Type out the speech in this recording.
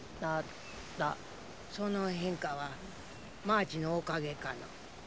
その変化はマーチのおかげかのぅ？